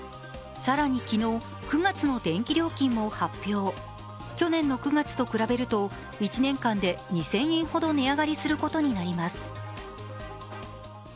更に昨日、９月の電気料金も発表去年の９月と比べると１年間で２０００円ほど値上がりすることになります。